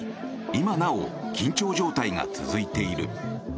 今なお緊張状態が続いている。